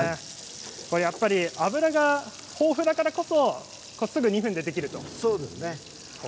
やっぱり脂が豊富だからこそすぐに２分でできるということなんですね。